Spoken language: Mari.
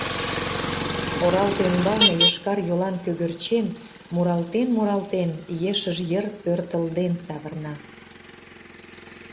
Оралте ӱмбалне йошкар йолан кӧгӧрчен, муралтен-муралтен, ешыж йыр пӧртылден савырна.